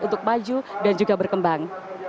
untuk maju dan juga berkembang